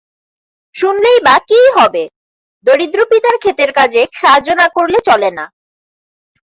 শুনলেই বা কী হবে? দরিদ্র পিতার খেতের কাজে সাহায্য না করলে চলে না।